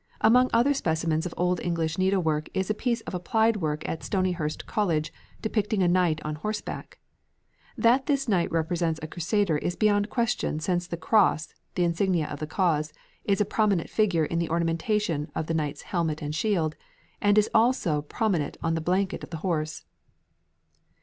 Among other specimens of Old English needlework is a piece of applied work at Stonyhurst College depicting a knight on horseback. That this knight represents a Crusader is beyond question since the cross, the insignia of the cause, is a prominent figure in the ornamentation of the knight's helmet and shield, and is also prominent on the blanket on the horse.